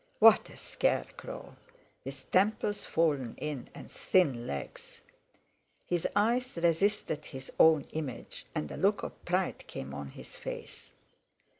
What a scarecrow—with temples fallen in, and thin legs! His eyes resisted his own image, and a look of pride came on his face.